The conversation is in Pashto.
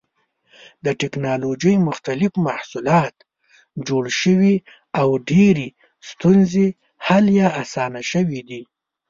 د ټېکنالوجۍ مختلف محصولات جوړ شوي او ډېرې ستونزې حل یا اسانې شوې دي.